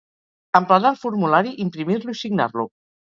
Emplenar el formulari, imprimir-lo i signar-lo.